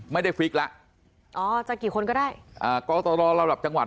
ไม่ได้ฟิกละอ๋อจากกี่คนก็ได้อ่าก็ต่อระดับจังหวัด